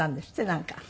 なんか。